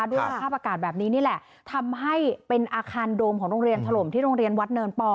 ด้วยสภาพอากาศแบบนี้นี่แหละทำให้เป็นอาคารโดมของโรงเรียนถล่มที่โรงเรียนวัดเนินปอ